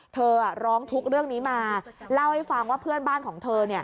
ร้องทุกข์เรื่องนี้มาเล่าให้ฟังว่าเพื่อนบ้านของเธอ